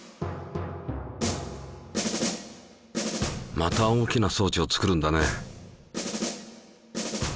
また大きな装置を作るんだね。